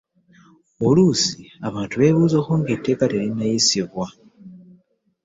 Oluusi abantu beebuuzibwako nga etteeka terinayisibwa.